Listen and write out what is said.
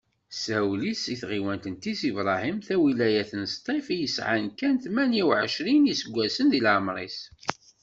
Sawli seg tɣiwant n Tizi n Brahem, tawilayt n Ṣṭif, i yesεan kan tmanya uɛecrin n yiseggasen di leεmeṛ-is.